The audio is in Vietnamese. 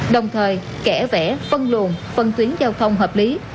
đồng thời kẻ vẽ phân luồn phân tuyến giao thông hợp lý